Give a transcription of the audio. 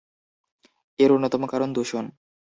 এর অন্যতম কারণ দূষণ।